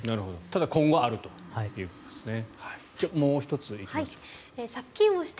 ただ今後あるということですね。